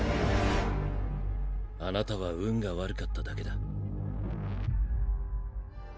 あなたは運が悪かっただけだ。